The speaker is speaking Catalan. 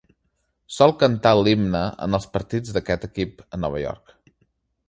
Sol cantar l'himne en els partits d'aquest equip a Nova York.